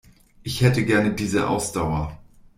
Ich hätte gerne diese Ausdauer.